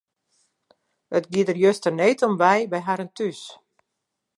It gie der juster need om wei by harren thús.